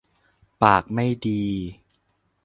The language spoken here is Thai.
ปากไม่ดี